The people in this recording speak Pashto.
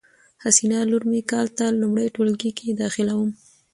حسینه لور می کال ته لمړی ټولګي کی داخلیدوم